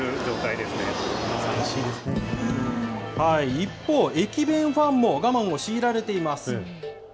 一方、駅弁ファンも我慢を強いられています。